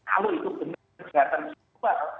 hal itu benar benar terlihat yang supar